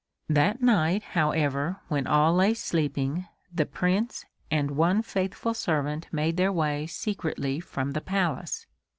That night, however, when all lay sleeping the Prince and one faithful servant made their way secretly from the Palace.